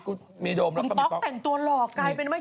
คุณป๊อกแต่งตัวหลอกใกล้เป็นไง